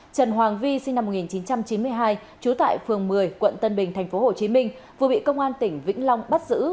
trần hoàng vi sinh năm một nghìn chín trăm chín mươi hai trú tại phường một mươi quận tân bình tp hcm vừa bị công an tỉnh vĩnh long bắt giữ